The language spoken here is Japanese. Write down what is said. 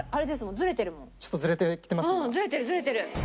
ずれてるずれてる。